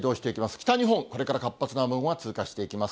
北日本、これから活発な雨雲が通過していきます。